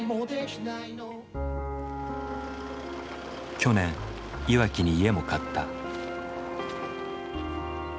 去年いわきに家も買った。